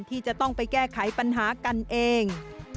ที่จะต้องไปแก้ไขปัญหากันเอง